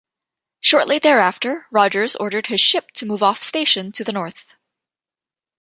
Shortly thereafter Rogers ordered his ship to move off station to the north.